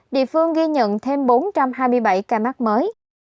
địa phương ghi nhận thêm bốn trăm hai mươi bảy ca mắc mới